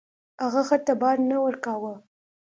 هغه خر ته بار نه ورکاوه.